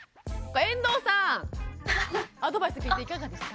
遠藤さんアドバイス聞いていかがですか？